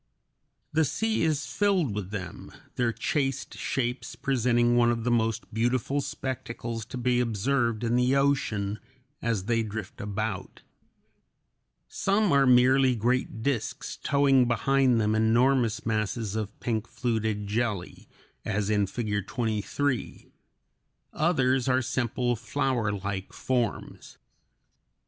The ocean is filled with them; their chaste shapes presenting one of the most beautiful spectacles to be observed in the ocean as they drift about. Some are merely great disks towing behind them enormous masses of pink fluted jelly, as in Figure 23; others are simple flowerlike forms (Fig.